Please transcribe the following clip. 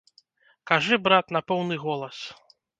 Кажы, брат, на поўны голас!